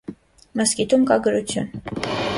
Մզկիթում կա գրություն։